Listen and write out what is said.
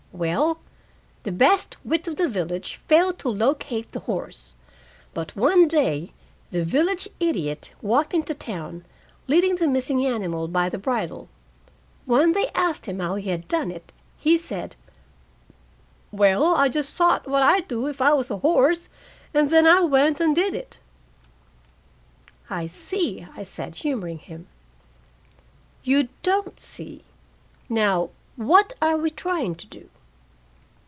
"Well, the best wit of the village failed to locate the horse. But one day the village idiot walked into town, leading the missing animal by the bridle. When they asked him how he had done it, he said: 'Well, I just thought what I'd do if I was a horse, and then I went and did it.'" "I see," I said, humoring him. "You don't see. Now, what are we trying to do?"